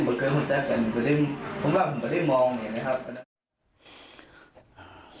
ผมว่าก็ได้มองอย่างนี้นะครับ